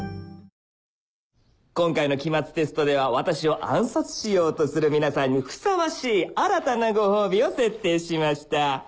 今回の期末テストでは私を暗殺しようとする皆さんにふさわしい新たなご褒美を設定しました